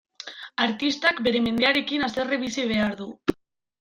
Artistak bere mendearekin haserre bizi behar du.